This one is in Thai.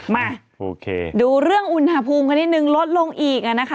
มาดูเรื่องอุณหภูมิค่ะนิดหนึ่งลดลงอีก